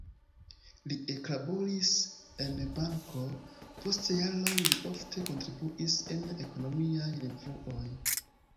Li eklaboris en banko, post jaroj li ofte kontribuis en ekonomiaj revuoj.